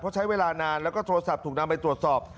เพราะใช้เวลานานแล้วก็โทรศัพท์ถูกนำไปตรวจสอบ